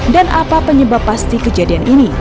dan apa penyebab pasti kejadian ini